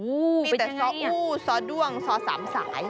อู้เป็นทางนี้หรอนี่แต่ซออู้ซอด้วงซอสามสาย